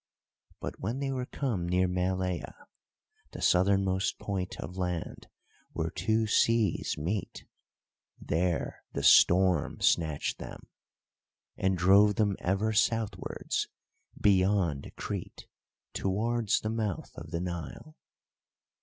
But when they were come near Malea, the southernmost point of land, where two seas meet, there the storm snatched them, and drove them ever southwards, beyond Crete, towards the mouth of the Nile.